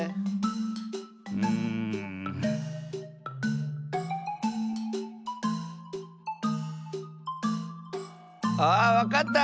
うん。あっわかった！